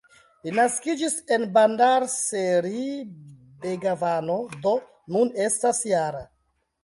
Li naskiĝis en Bandar-Seri-Begavano, do nun estas -jara.